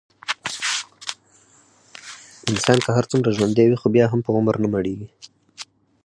انسان که هرڅومره ژوندی وي، خو بیا هم په عمر نه مړېږي.